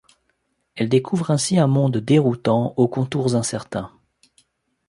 Elle découvre ainsi un monde déroutant, aux contours incertains.